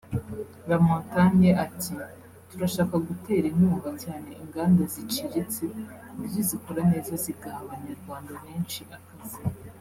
Lamontagne ati « Turashaka gutera inkunga cyane inganda ziciritse ku buryo zikora neza zigaha Abanyarwanda benshi akazi